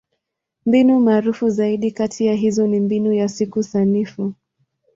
Mbinu maarufu zaidi kati ya hizo ni Mbinu ya Siku Sanifu.